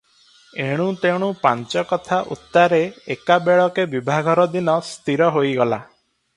ଏଣୁତେଣୁ ପାଞ୍ଚ କଥା ଉତ୍ତାରେ ଏକାବେଳକେ ବିଭାଘର ଦିନ ସ୍ଥିର ହୋଇଗଲା ।